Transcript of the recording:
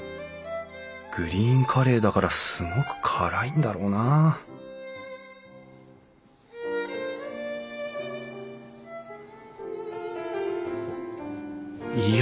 グリーンカレーだからすごく辛いんだろうないや！